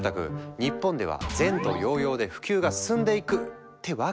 日本では前途洋々で普及が進んでいく！ってわけでもない。